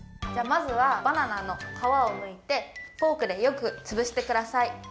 じゃあまずはバナナのかわをむいてフォークでよくつぶしてください。